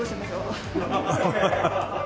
アハハハ。